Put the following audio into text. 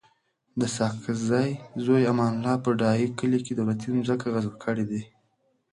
د ساګزی زوی امان الله په ډایی کلی کي دولتي مځکي غصب کړي دي